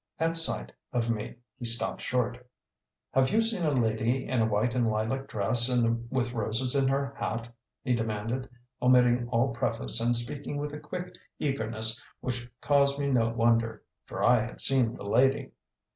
At sight of me he stopped short. "Have you seen a lady in a white and lilac dress and with roses in her hat?" he demanded, omitting all preface and speaking with a quick eagerness which caused me no wonder for I had seen the lady.